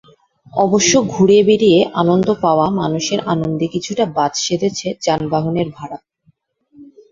অবশ্য ঘুরে বেড়িয়ে আনন্দ পাওয়া মানুষের আনন্দে কিছুটা বাদ সেধেছে যানবাহনের ভাড়া।